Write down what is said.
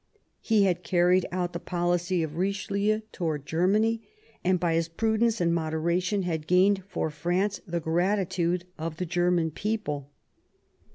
He had carried out the policy of Richelieu towards Germany, and by his prudence and moderation had gained for France the gratitude of the German people.